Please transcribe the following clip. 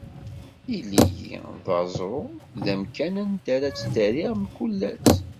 Ili-yi d aẓru, d amkan anda ara ttdariɣ mkul ass.